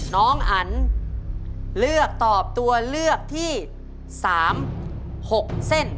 น้องอันเลือกตอบตัวเลือกที่๓๖เส้น